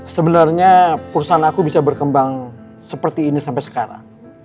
sebenarnya perusahaan aku bisa berkembang seperti ini sampai sekarang